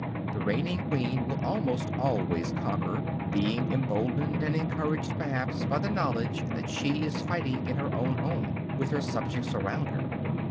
The reigning queen will almost always conquer, being emboldened and encouraged perhaps by the knowledge that she is fighting in her own home, with her subjects around her.